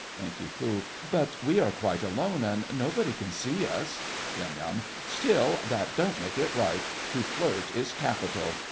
NANK. But we are quite alone, and nobody can see us. YUM. Still, that don't make it right. To flirt is capital.